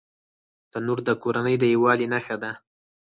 تنور د کورنۍ د یووالي نښه ده